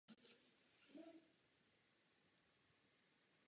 Na návrhu původní karoserie se podílel Josef Sodomka mladší.